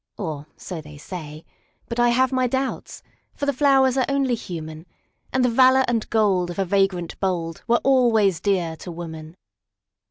Or, so they say! But I have my doubts; For the flowers are only human, And the valor and gold of a vagrant boldWere always dear to woman.